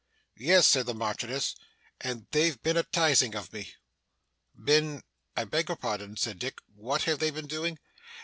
'Yes,' said the Marchioness, 'and they've been a tizing of me.' 'Been I beg your pardon,' said Dick 'what have they been doing?